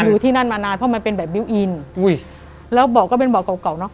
อยู่ที่นั่นมานานเพราะมันเป็นแบบอุ้ยแล้วเบาะก็เป็นเบาะเก่าเก่าเนอะ